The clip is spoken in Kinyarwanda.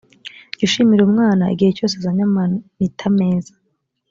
jya ushimira umwana igihe cyose azanye amanita meza